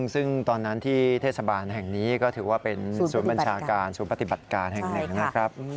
ซึ่งตอนนั้นที่เทศบาลแห่งนี้ก็ถือว่าเป็นศูนย์บัญชาการศูนย์ปฏิบัติการแห่งหนึ่งนะครับ